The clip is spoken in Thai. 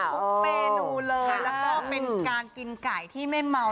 เมนูเลยแล้วก็เป็นการกินไก่ที่ไม่เมา